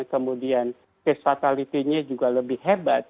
kemudian kesatualitasnya juga lebih hebat